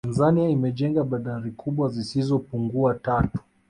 Tanzania imejenga bandari kubwa zisizo pungua tatu